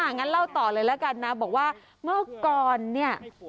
งั้นเล่าต่อเลยแล้วกันนะบอกว่าเมื่อก่อนเนี่ย